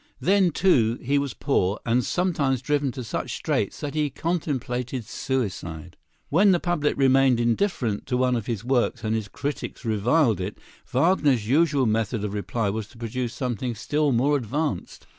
Then, too, he was poor, and sometimes driven to such straits that he contemplated suicide. When the public remained indifferent to one of his works and critics reviled it, Wagner's usual method of reply was to produce something still more advanced.